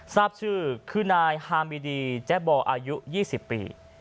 ทราบชื่อคือนายฮามิดีแจ๊บออายุ๒๐ปี